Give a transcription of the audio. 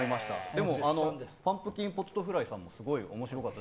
でもパンプキンポテトフライさんもすごく面白かった。